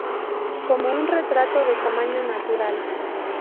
Como un retrato de tamaño natural.